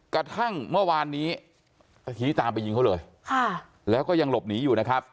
กระทั่งเมื่อวานนี้ตามไปยิงเขาเลยค่ะแล้วก็ยังหลบหนีอยู่นะครับ